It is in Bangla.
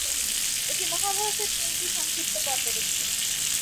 এটি মহাভারতের তিনটি সংক্ষিপ্ত পর্বের একটি।